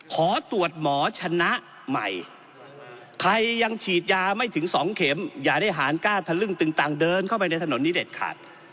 ขอตรวจหมอชนะใหม่ใครยังฉีดยาไม่ถึง๒เข็มอย่าได้หารกล้าทะลึ่งตึงตังเดินเข้าไปในถนนนี้เด็ดขาด